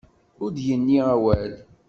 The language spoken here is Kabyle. Ur d-yenni awal.